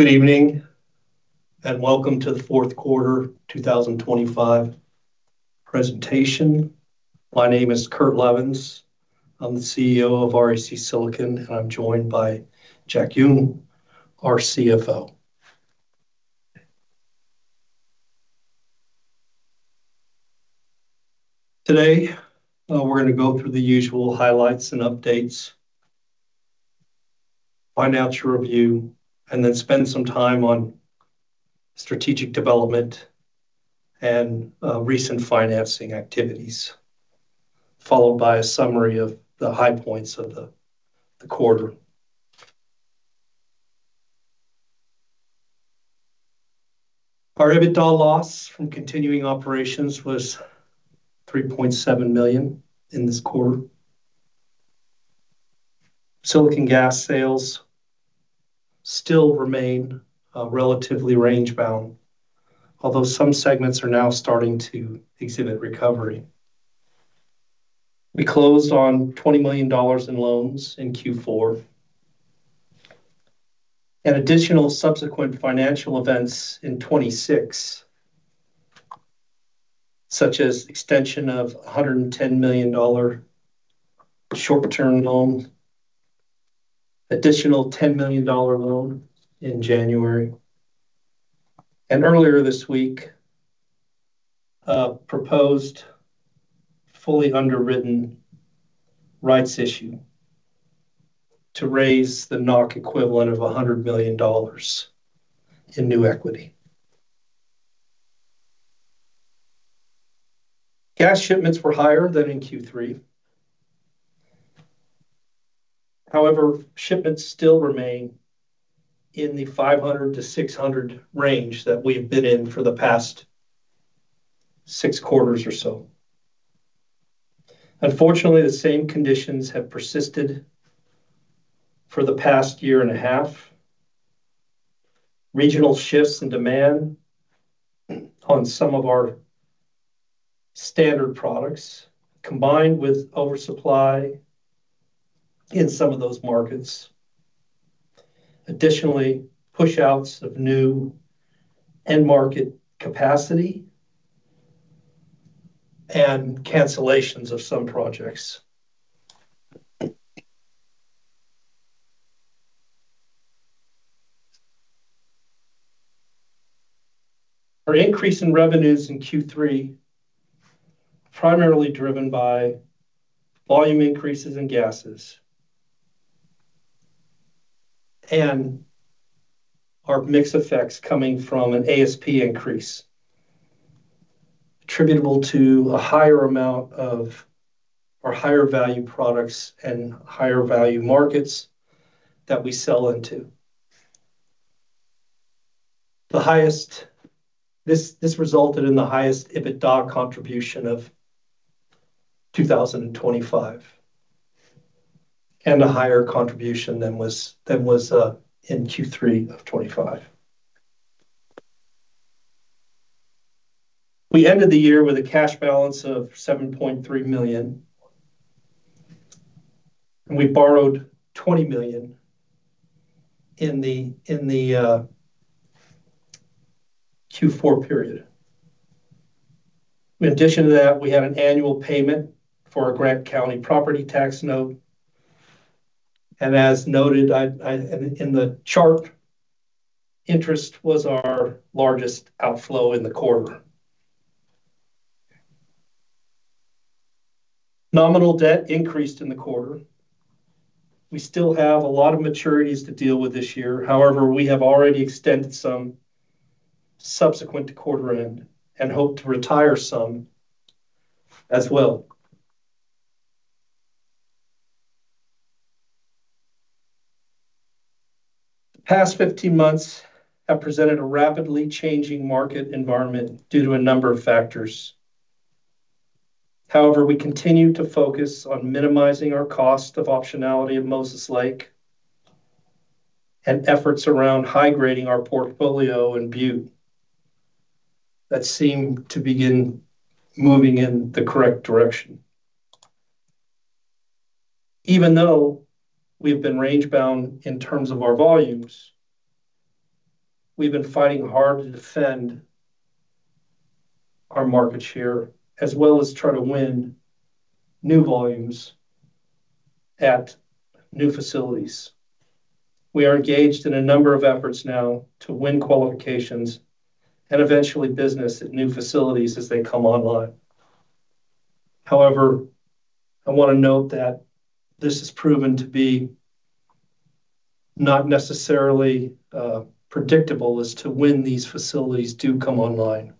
Good evening, and welcome to the Q4 2025 presentation. My name is Kurt Levens. I'm the CEO of REC Silicon, and I'm joined by Jack Yun, our CFO. Today, we're going to go through the usual highlights and updates, financial review, and then spend some time on strategic development and recent financing activities, followed by a summary of the high points of the quarter. Our EBITDA loss from continuing operations was $3.7 million in this quarter. Silicon gas sales still remain relatively range-bound, although some segments are now starting to exhibit recovery. We closed on $20 million in loans in Q4. Additional subsequent financial events in 2026, such as extension of a $110 million short-term loan, additional $10 million loan in January, and earlier this week, a proposed fully underwritten rights issue to raise the NOK equivalent of $100 million in new equity. Gas shipments were higher than in Q3. However, shipments still remain in the 500-600 range that we've been in for the past 6 quarters or so. Unfortunately, the same conditions have persisted for the past year and a half. Regional shifts in demand on some of our standard products, combined with oversupply in some of those markets. Additionally, pushouts of new end market capacity, and cancellations of some projects. Our increase in revenues in Q3, primarily driven by volume increases in gases, and our mix effects coming from an ASP increase, attributable to a higher amount of our higher value products and higher value markets that we sell into. This resulted in the highest EBITDA contribution of 2025, and a higher contribution than was in Q3 of 2025. We ended the year with a cash balance of $7.3 million, and we borrowed $20 million in the Q4 period. In addition to that, we had an annual payment for our Grant County property tax note, and as noted in the chart, interest was our largest outflow in the quarter. Nominal debt increased in the quarter. We still have a lot of maturities to deal with this year. However, we have already extended some subsequent to quarter end and hope to retire some as well. The past 15 months have presented a rapidly changing market environment due to a number of factors. However, we continue to focus on minimizing our cost of optionality at Moses Lake, and efforts around high-grading our portfolio in Butte that seem to begin moving in the correct direction. Even though we've been range-bound in terms of our volumes, we've been fighting hard to defend our market share, as well as try to win new volumes at new facilities. We are engaged in a number of efforts now to win qualifications and eventually business at new facilities as they come online. However, I want to note that this has proven to be not necessarily predictable as to when these facilities do come online,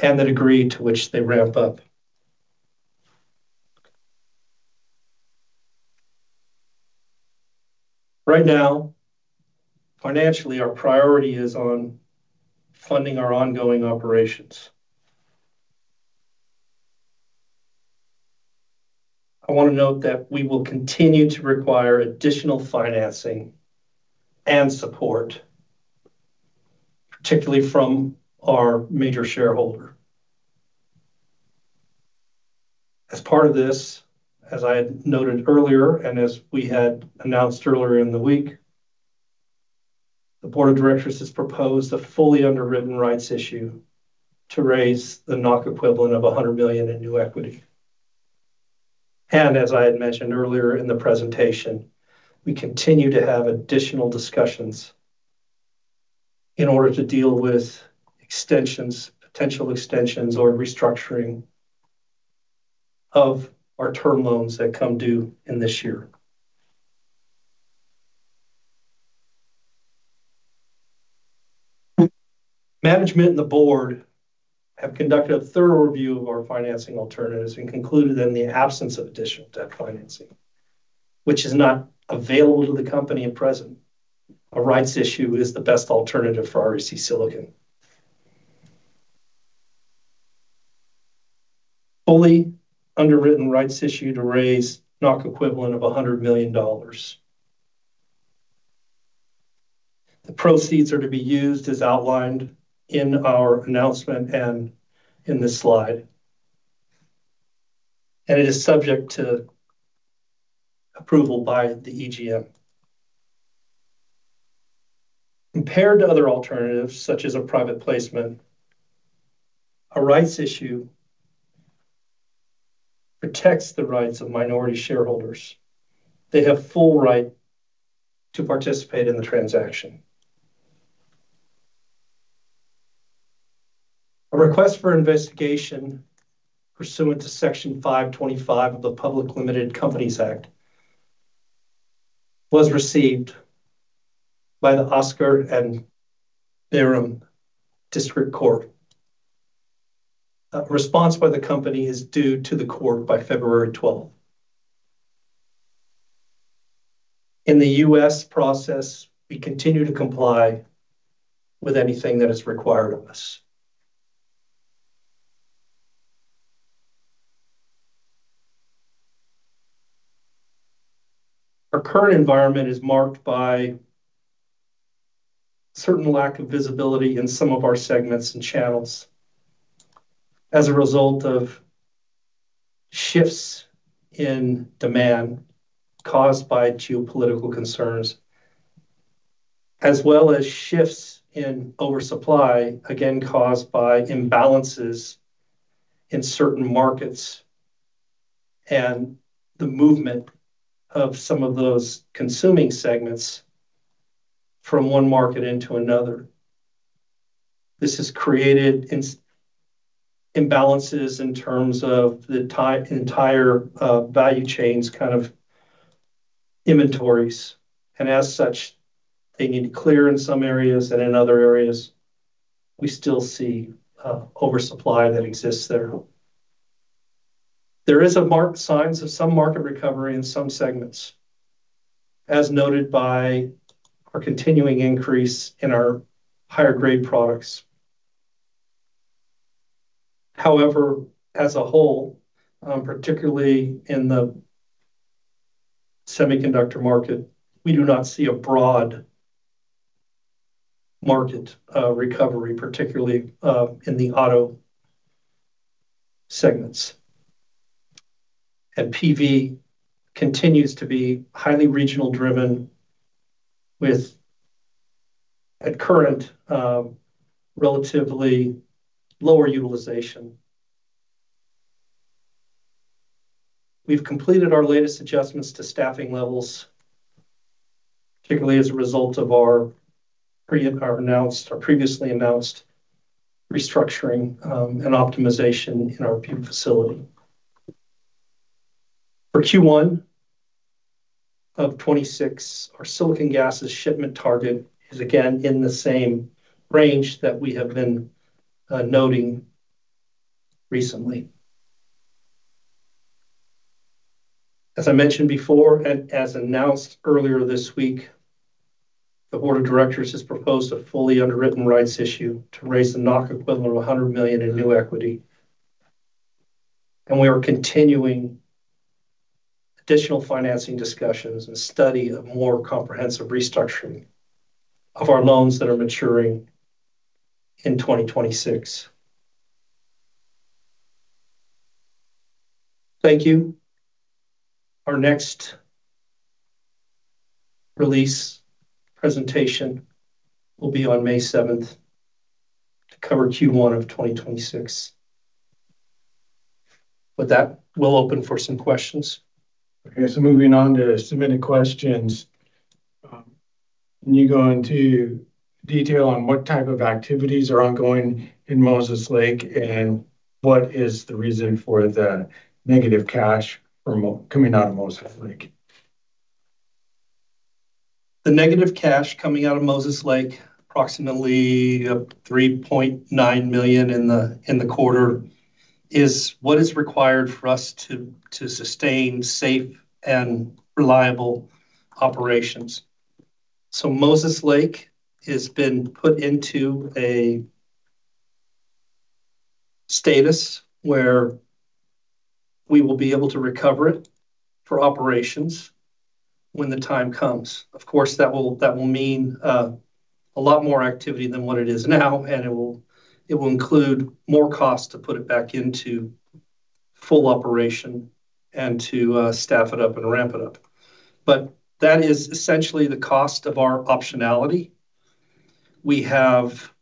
and the degree to which they ramp up. Right now, financially, our priority is on funding our ongoing operations. I want to note that we will continue to require additional financing and support, particularly from our major shareholder. As part of this, as I had noted earlier, and as we had announced earlier in the week, the board of directors has proposed a fully underwritten rights issue to raise the NOK equivalent of 100 million in new equity. And as I had mentioned earlier in the presentation, we continue to have additional discussions in order to deal with extensions, potential extensions or restructuring of our term loans that come due in this year. Management and the board have conducted a thorough review of our financing alternatives and concluded that in the absence of additional debt financing, which is not available to the company at present, a rights issue is the best alternative for REC Silicon. Fully underwritten rights issue to raise NOK equivalent of $100 million. The proceeds are to be used as outlined in our announcement and in this slide, and it is subject to approval by the EGM. Compared to other alternatives, such as a private placement, a rights issue protects the rights of minority shareholders. They have full right to participate in the transaction. A request for investigation pursuant to Section 5-25 of the Public Limited Companies Act was received by the Asker and Bærum District Court. A response by the company is due to the court by February twelfth. In the U.S. process, we continue to comply with anything that is required of us. Our current environment is marked by certain lack of visibility in some of our segments and channels as a result of shifts in demand caused by geopolitical concerns, as well as shifts in oversupply, again, caused by imbalances in certain markets, and the movement of some of those consuming segments from one market into another. This has created imbalances in terms of the entire value chains, kind of inventories, and as such, they need clarity in some areas and in other areas, we still see oversupply that exists there. There are signs of some market recovery in some segments, as noted by our continuing increase in our higher grade products. However, as a whole, particularly in the semiconductor market, we do not see a broad market recovery, particularly in the auto segments. PV continues to be highly regional driven with our current relatively lower utilization. We've completed our latest adjustments to staffing levels, particularly as a result of our previously announced restructuring and optimization in our PV facility. For Q1 of 2026, our silicon gases shipment target is again in the same range that we have been noting recently. As I mentioned before, and as announced earlier this week, the board of directors has proposed a fully underwritten rights issue to raise the NOK equivalent of $100 million in new equity, and we are continuing additional financing discussions and studying a more comprehensive restructuring of our loans that are maturing in 2026. Thank you. Our next release presentation will be on May 7 to cover Q1 of 2026. With that, we'll open for some questions. Okay, so moving on to submitted questions. Can you go into detail on what type of activities are ongoing in Moses Lake, and what is the reason for the negative cash coming out of Moses Lake? The negative cash coming out of Moses Lake, approximately $3.9 million in the quarter, is what is required for us to sustain safe and reliable operations. So Moses Lake has been put into a status where we will be able to recover it for operations when the time comes. Of course, that will mean a lot more activity than what it is now, and it will include more cost to put it back into full operation and to staff it up and ramp it up. But that is essentially the cost of our optionality. We have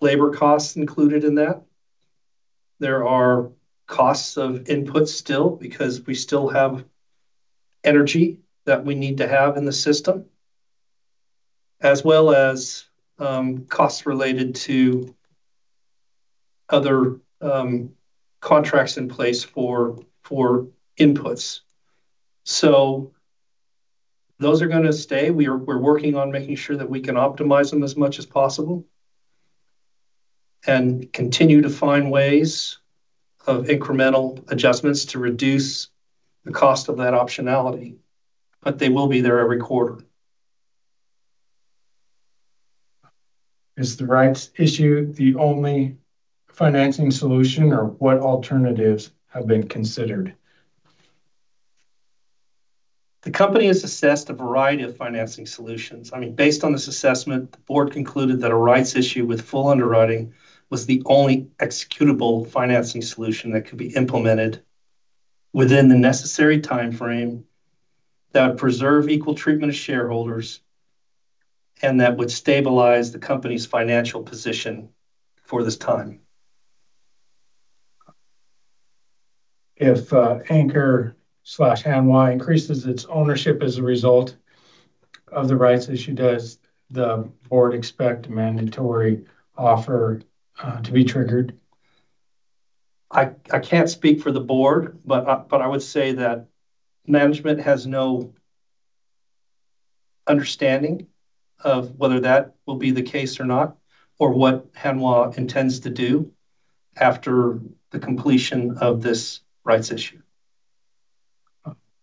labor costs included in that. There are costs of input still, because we still have energy that we need to have in the system, as well as costs related to other contracts in place for inputs. Those are gonna stay. We're working on making sure that we can optimize them as much as possible, and continue to find ways of incremental adjustments to reduce the cost of that optionality, but they will be there every quarter. Is the Rights Issue the only financing solution, or what alternatives have been considered? The company has assessed a variety of financing solutions. I mean, based on this assessment, the board concluded that a rights issue with full underwriting was the only executable financing solution that could be implemented within the necessary timeframe that would preserve equal treatment of shareholders, and that would stabilize the company's financial position for this time. If Hanwha increases its ownership as a result of the rights issue, does the board expect a mandatory offer to be triggered? I can't speak for the board, but I would say that management has no understanding of whether that will be the case or not, or what Hanwha intends to do after the completion of this rights issue.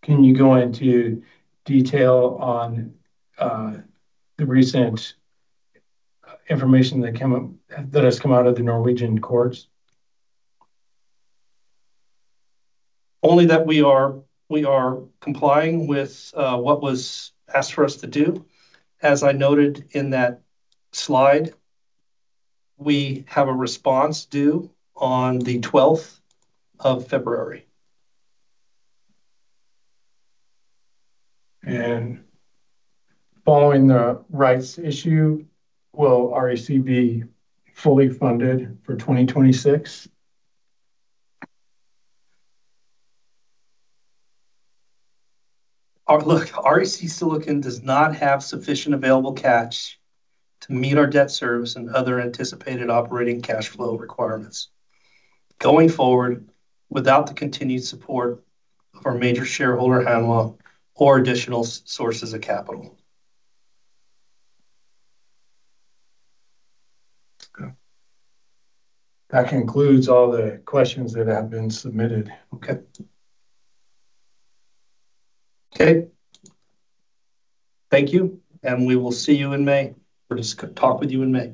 Can you go into detail on the recent information that has come out of the Norwegian courts? Only that we are complying with what was asked for us to do. As I noted in that slide, we have a response due on the twelfth of February. Following the rights issue, will REC be fully funded for 2026? Look, REC Silicon does not have sufficient available cash to meet our debt service and other anticipated operating cash flow requirements going forward without the continued support of our major shareholder, Hanwha, or additional sources of capital. Okay. That concludes all the questions that have been submitted. Okay. Okay. Thank you, and we will see you in May or just talk with you in May.